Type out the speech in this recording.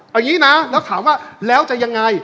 เอาอย่างนี้นะแล้วถามว่าแล้วจะยังไง